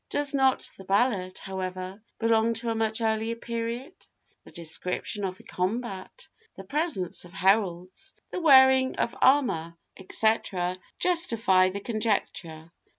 Does not the ballad, however, belong to a much earlier period? The description of the combat, the presence of heralds, the wearing of armour, &c., justify the conjecture.